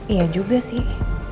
iya juga sih